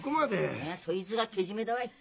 いやそいつがけじめだわい。